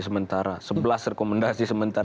sementara sebelas rekomendasi sementara